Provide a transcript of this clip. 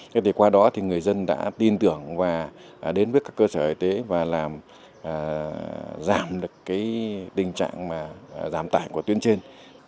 thế thì qua đó thì người dân đã tin tưởng và đến với các cơ sở y tế và làm giảm được cái tình trạng mà giảm tải của tuyến trên